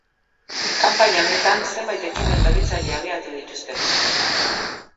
Kanpaina honetan, zenbait ekimen berritzaile abiatu dituzte.